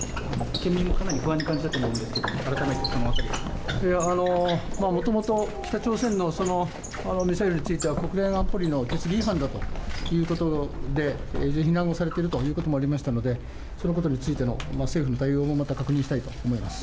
県民もかなり不安に感じたと思うんですけども、改めてそのあもともと、北朝鮮のそのミサイルについては、国連安保理の決議違反ということで非難をされているということもありましたので、そのことについての政府の対応もまた確認したいと思います。